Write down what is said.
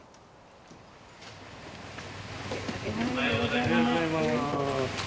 おはようございます。